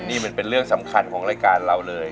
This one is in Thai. นี่มันเป็นเรื่องสำคัญของรายการเราเลย